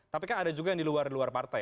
tapi kan ada juga yang di luar partai